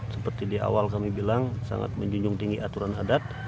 seperti di awal kami bilang sangat menjunjung tinggi aturan adat